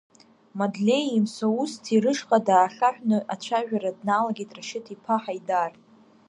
Мадлеии Мсоусҭи рышҟа даахьаҳәны ацәажәара дналагеит Рашьыҭ-иԥа Ҳаидар.